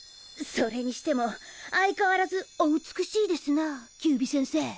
それにしても相変わらずお美しいですな九尾先生。